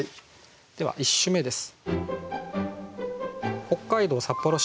では１首目です。